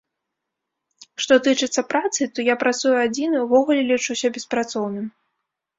Што тычыцца працы, то я працую адзін і ўвогуле лічуся беспрацоўным.